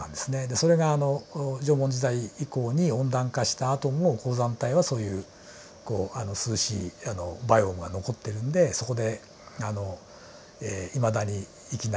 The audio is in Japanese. それが縄文時代以降に温暖化したあとも高山帯はそういう涼しいバイオームが残ってるんでそこでいまだに生きながらえてるというそういう生物な訳ですね。